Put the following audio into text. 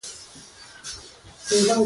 ته درځه زه وروسته راځم.